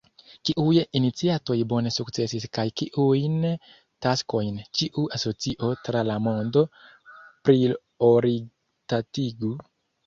Kiuj iniciatoj bone sukcesis kaj kiujn taskojn ĉiu asocio tra la mondo prioritatigu?